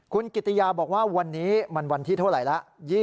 คุณกิติยาบอกว่าวันนี้มันวันที่เท่าไหร่แล้ว